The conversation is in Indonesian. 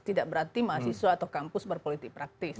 tidak berarti mahasiswa atau kampus berpolitik praktis